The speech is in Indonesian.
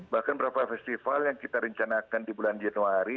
bahkan beberapa festival yang kita rencanakan di bulan januari